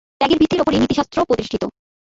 ত্যাগের ভিত্তির উপরই নীতিশাস্ত্র প্রতিষ্ঠিত।